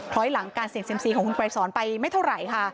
้อยหลังการเสี่ยงเซียมซีของคุณไกรสอนไปไม่เท่าไหร่ค่ะ